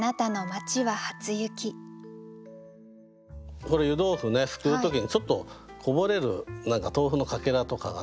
これ湯豆腐ね掬う時にちょっとこぼれる何か豆腐のかけらとかがね。